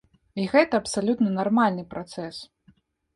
І гэта абсалютна нармальны працэс.